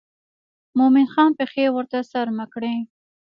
مومن خان پښې ورته څرمه کړې.